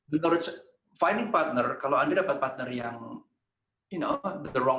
menemukan partner kalau anda dapat partner yang